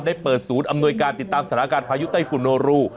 ได้เปิดศูนย์อำนวยการติดตามสถานการณ์พายุไต้ฝุ่นโนรู